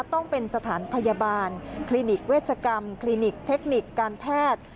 ต้องเป็นสถานพยาบาลคลินิกเวชกรรมคลินิกเทคนิคการแพทย์